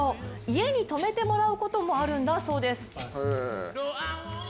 家に泊めてもらうこともあるんだそうです。